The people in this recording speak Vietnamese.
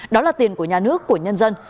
đó là tiền của nhà nước của nhân dân